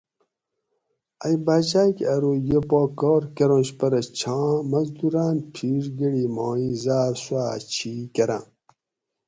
ائی باچاۤ کہ ارو یہ پا کار کۤرنش پرہ چھاۤں مزدوراۤن پِھیڛ گۤڑی ماں اِیں زاۤر سُوآۤ چھی کۤراۤں